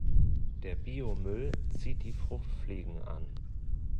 Der Biomüll zieht die Fruchtfliegen an.